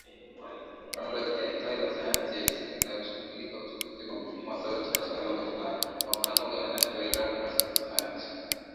Fonolojia ni tawi la sayansi ya isimu linaloshughulikia uchunguzi wa mfumo wa sauti katika lugha fulani, kwa mfano ugawanyaji wa irabu na konsonanti.